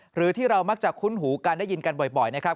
หรือที่เรามักจะคุ้นหูกันได้ยินกันบ่อยนะครับ